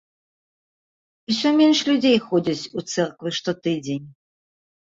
Усё менш людзей ходзяць у цэрквы штотыдзень.